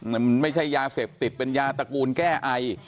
มันไม่ใช่ยาเสพติดเป็นยาตระกูลแก้ไอ